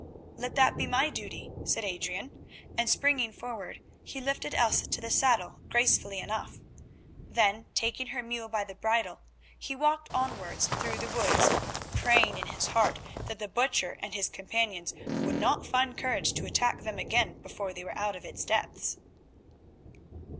"Let that be my duty," said Adrian, and, springing forward, he lifted Elsa to the saddle gracefully enough. Then, taking her mule by the bridle, he walked onwards through the wood praying in his heart that the Butcher and his companions would not find courage to attack them again before they were out of its depths.